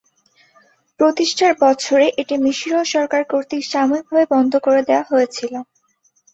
প্রতিষ্ঠার বছরেই এটি মিশরীয় সরকার কর্তৃক সাময়িকভাবে বন্ধ করে দেয়া হয়েছিল।